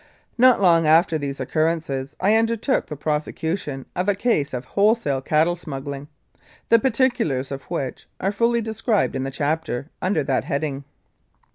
Not long after these occurrences I undertook the prosecution of a case of "wholesale cattle smuggling," the particulars of which are fully described in the chapter under that heading.